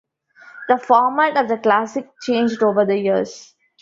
The format of the Classic changed over the years.